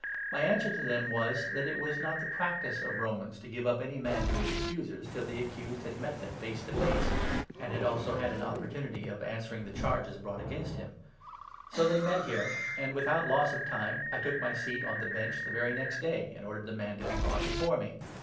My answer to them was, that it was not the 16 practice of Romans to give up any man to his accusers till the accused had met them face to face, and had also had an oppor tunity of answering the charges brought against him. So they 17 met here, and without loss of time I took my seat on the Bench the very next day, and ordered the man to be brought before me.